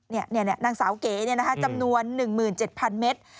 นี่นางสาวเก๋จำนวน๑๗๐๐เมตร